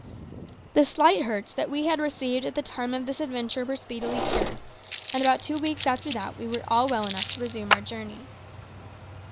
The slight hurts that we had received at the time of this adventure were speedily cured, and about two weeks after that we were all well enough to resume our journey.